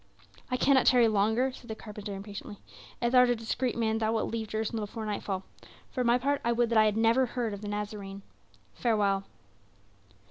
'" "I cannot tarry longer," said the carpenter impatiently. "If thou art a discreet man thou wilt leave Jerusalem before nightfall. For my part I would that I had never heard of the Nazarene. Farewell."